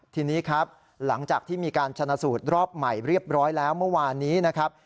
ทีนี้ครับหลังจากที่มีการชนะสูตรรอบใหม่เรียบร้อยแล้วเมื่อวานนี้นะครับ